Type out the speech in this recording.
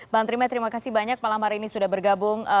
bang trime terima kasih banyak malam hari ini sudah bergabung